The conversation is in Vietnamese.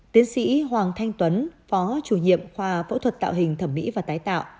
tiến sĩ hoàng thanh tuấn phó chủ nhiệm khoa phẫu thuật tạo hình thẩm mỹ và tái tạo